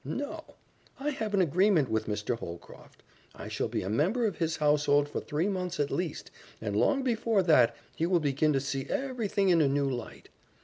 No; I have an agreement with Mr. Holcroft. I shall be a member of his household for three months at least, and long before that he will begin to see everything in a new light.